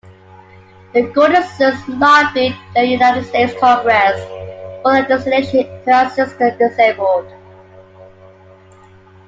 The Goldensons lobbied the United States Congress for legislation to assist the disabled.